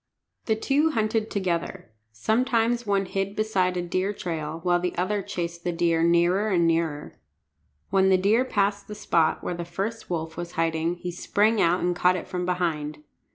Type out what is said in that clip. The two hunted together. Sometimes one hid beside a deer trail, while the other chased the deer nearer and nearer. When the deer passed the spot where the first wolf was hiding he sprang out and caught it from behind.